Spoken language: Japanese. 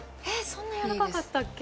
そんなやわらかかったっけ？